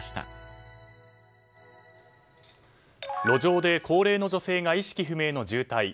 路上で高齢の女性が意識不明の重体。